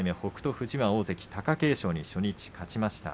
富士は大関貴景勝に初日勝ちました。